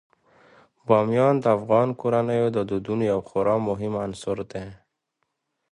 بامیان د افغان کورنیو د دودونو یو خورا مهم عنصر دی.